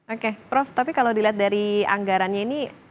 oke prof tapi kalau dilihat dari anggarannya ini